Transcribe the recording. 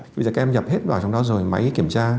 bây giờ các em nhập hết vào trong đó rồi máy kiểm tra